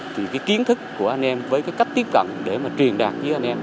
thì kiến thức của anh em với cách tiếp cận để truyền đạt với anh em